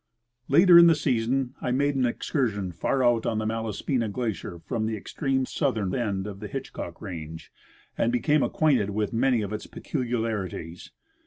Later in the season I made an excursion far out on the Malas pina glacier from the extreme southern end of the Hitchcock range, and became acquainted with many of its peculiarities.